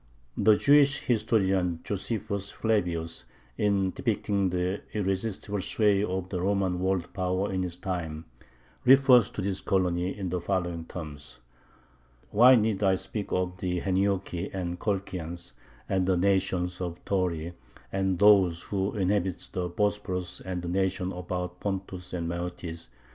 The Jewish historian Josephus Flavius, in depicting the irresistible sway of the Roman world power in his time, refers to this colony in the following terms: "Why need I speak of the Heniochi and Colchians and the nation of the Tauri, and those who inhabit the Bosporus and the nations about Pontus and Maeotis